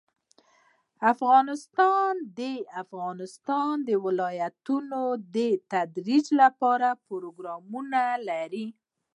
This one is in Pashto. افغانستان د د افغانستان ولايتونه د ترویج لپاره پروګرامونه لري.